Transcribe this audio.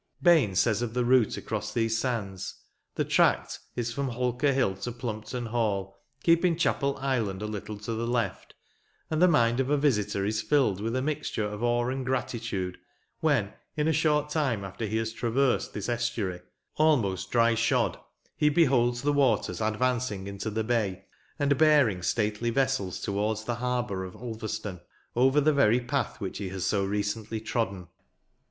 Baines says of the route across these sands :" The tract is from Holker Hall to Plumpton Hall, keeping Chapel Island a little IS to the left ; and the mind of a visitor is filled with a mixture of awe and gratitude, when, in a short time after he has traversed this estuary, almost dry shod, he beholds the waters advancing into the bay, and bearing stately vessels towards the harbour ol Ulver stone, over the very path which he has so recently trodden."